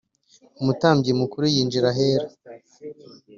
umutambyi mukuru yinjira Ahera.